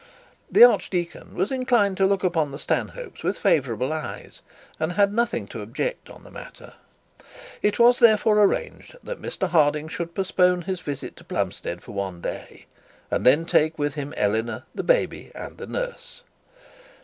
The archdeacon was inclined to look upon the Stanhopes with favourable eyes, and had nothing to object on the matter. It was therefore arranged that Mr Harding should postpone his visit to Plumstead for one day, and then take with him Eleanor, the baby, and the nurse.